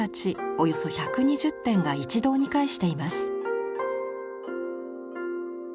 およそ１２０点が一堂に会しています。